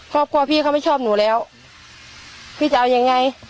ครอบครัวพี่เขาไม่ชอบหนูแล้วพี่จะเอายังไง